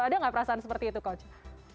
ada nggak perasaan seperti itu coach